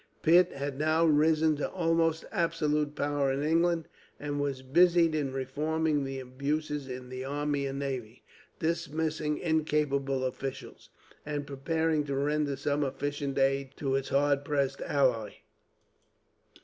Pitt had now risen to almost absolute power in England, and was busied in reforming the abuses in the army and navy, dismissing incapable officials, and preparing to render some efficient aid to its hard pressed ally.